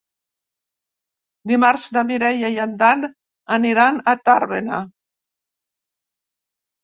Dimarts na Mireia i en Dan aniran a Tàrbena.